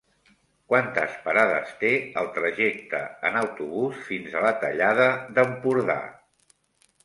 Quantes parades té el trajecte en autobús fins a la Tallada d'Empordà?